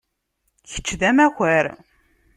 Kečč d amakar.